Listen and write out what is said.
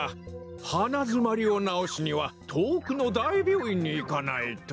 花づまりをなおすにはとおくのだいびょういんにいかないと。